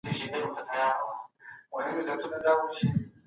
خپله دنده په ايمانداري ترسره کړئ.